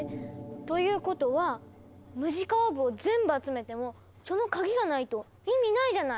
ということはムジカオーブを全部集めてもその鍵がないと意味ないじゃない！